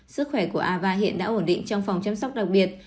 sức khỏe của ava hiện đã ổn định trong phòng chăm sóc đặc biệt